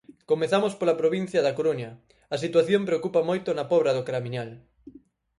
Comezamos pola provincia da Coruña: a situación preocupa moito na Pobra do Caramiñal.